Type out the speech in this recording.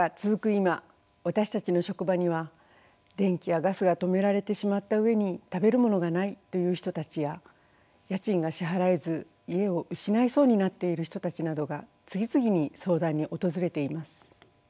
今私たちの職場には電気やガスが止められてしまった上に食べる物がないという人たちや家賃が支払えず家を失いそうになっている人たちなどが次々に相談に訪れています。